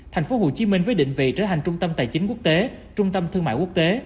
tp hcm với định vị trở thành trung tâm tài chính quốc tế trung tâm thương mại quốc tế